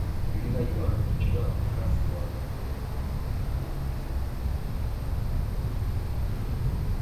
Ibilgailuan pertsona bakarra zihoan.